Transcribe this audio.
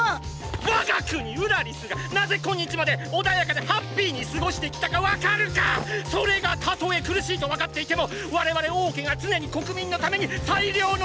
我が国ウラリスがなぜ今日まで穏やかでハッピーに過ごしてきたかわかるか⁉それがたとえ苦しいとわかっていても我々王家が常に国民のために最良の選択をしてきたからだ！